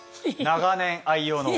長年愛用の。